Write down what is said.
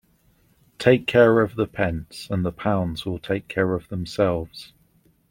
Take care of the pence and the pounds will take care of themselves.